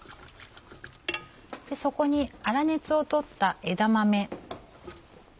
そこに粗熱をとった枝豆。